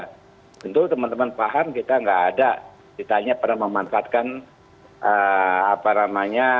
tentu teman teman paham kita nggak ada ditanya pernah memanfaatkan apa namanya